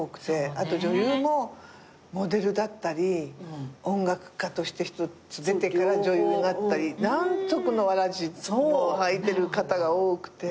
あと女優もモデルだったり音楽家として一つ出てから女優になったり何足のわらじも履いてる方が多くて。